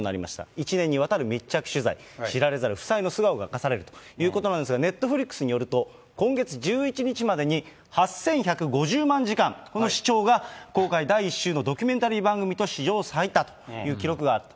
１年にわたる密着取材、知られざる夫妻の素顔が明かされるということなんですが、ネットフリックスによると、今月１１日までに８１５０万時間、この視聴が公開第１週のドキュメンタリー番組として史上最多という記録があると。